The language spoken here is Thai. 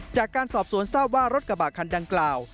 จากการสอบสวนทราบว่ารถกระบะคันดังกล่าว